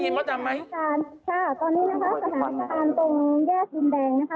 พอได้ยินพระจำไหมช่างให้สถานการณ์ตรงแยกดินแดงนะคะ